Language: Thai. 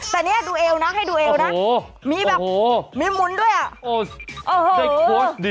แต่นี่ดูเอวนะให้ดูเอวนะมีหมุนด้วยอะโอ้โฮโอ้โฮ